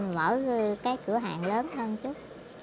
mở cái cửa hàng lớn hơn chút